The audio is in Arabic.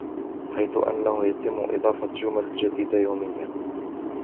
حيث أنه يتم اضافة جمل جديدة يوميا.